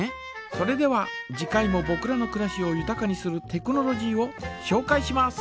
それでは次回もぼくらのくらしをゆたかにするテクノロジーをしょうかいします。